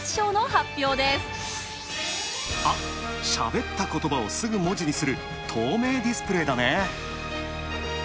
しゃべったことばをすぐ文字にする透明ディスプレイだね。